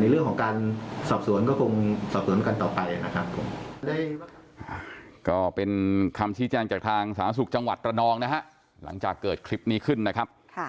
ในเรื่องของการสอบสวนก็คงสอบสวนกันต่อไปนะครับ